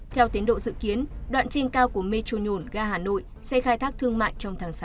theo tiến độ dự kiến đoạn trên cao của metro nhổn ga hà nội sẽ khai thác thương mại trong tháng sáu